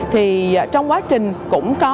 thì trong quá trình cũng có